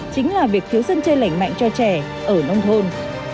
chính là việc thiếu dân chơi lảnh mạnh cho trẻ ở nông thôn